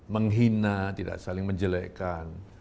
menghina tidak saling menjelekkan